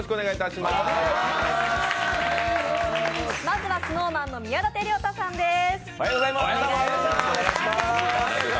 まずは、ＳｎｏｗＭａｎの宮舘涼太さんです。